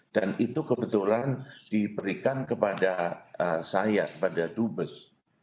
dan itu kebetulan diberikan kepada saya kepada dubes